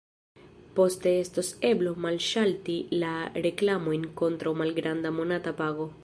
Poste estos eblo malŝalti la reklamojn kontraŭ malgranda monata pago.